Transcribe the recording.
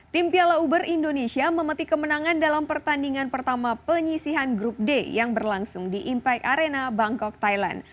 tim piala uber indonesia memetik kemenangan dalam pertandingan pertama penyisihan grup d yang berlangsung di impact arena bangkok thailand